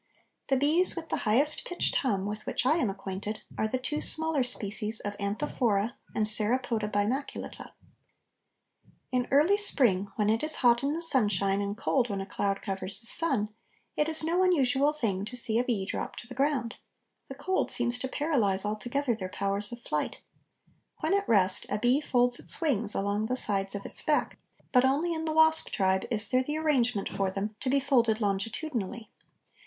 The bees with the highest pitched hum with which I am acquainted are the two smaller species of Anthophora and Saropoda bimaculata. In early spring, when it is hot in the sunshine and cold when a cloud covers the sun, it is no unusual thing to see a bee drop to the ground. The cold seems to paralyze altogether their powers of flight. When at rest a bee folds its wings along the sides of its back, but only in the wasp tribe is there the arrangement for them to be folded longitudinally.